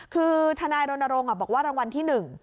คือทนายโดนโดรงบอกว่ารางวัลที่๑